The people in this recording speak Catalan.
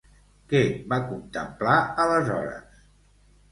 Què va contemplar aleshores?